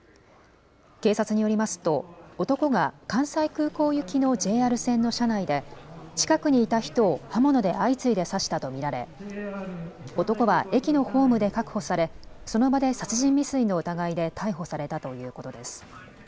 警察によりますと男が関西空港行きのＪＲ線の車内で近くにいた人を刃物で相次いで刺したと見られ男は駅のホームで確保されその場で殺人未遂の疑いで逮捕されたということです。